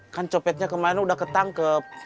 kan copetnya kemarin udah ketangkep